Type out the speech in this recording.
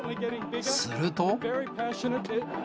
すると。